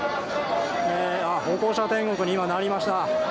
歩行者天国に今なりました。